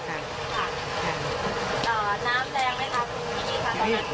น้ำแรงไหมคะ